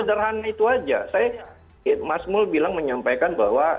sederhana itu aja saya mas mul bilang menyampaikan bahwa